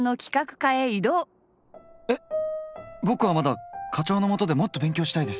ボクはまだ課長のもとでもっと勉強したいです！